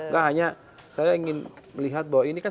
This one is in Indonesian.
nah hanya saya ingin melihat bahwa ini kan